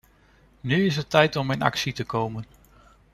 Nu is het tijd om in actie te komen.